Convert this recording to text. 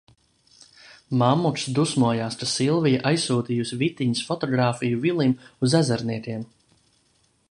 Mammuks dusmojās, ka Silvija aizsūtījusi Vitiņas fotogrāfiju Vilim uz Ezerniekiem.